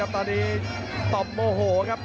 ตอนนี้ต่อมโมโหครับ